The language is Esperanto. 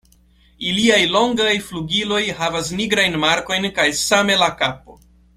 Iliaj longaj flugiloj havas nigrajn markojn kaj same la kapo.